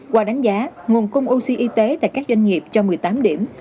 qua đánh giá nguồn cung oce y tế tại các doanh nghiệp cho một mươi tám điểm